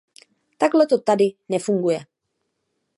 Takhle to tady nefunguje.